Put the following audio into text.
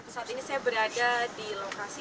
saat ini saya berada di lokasi